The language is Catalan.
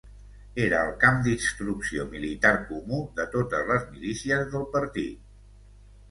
Era el camp d'instrucció militar comú de totes les milícies del partit